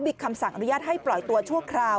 มีคำสั่งอนุญาตให้ปล่อยตัวชั่วคราว